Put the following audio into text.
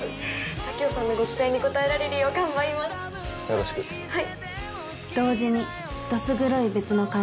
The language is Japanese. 佐京さんのご期待に応えられるようよろしくはい！